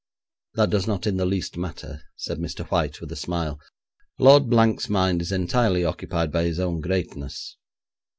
'That does not in the least matter,' said Mr. White, with a smile; 'Lord Blank's mind is entirely occupied by his own greatness.